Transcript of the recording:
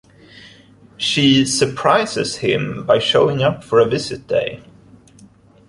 She surprises him by showing up for a visit day.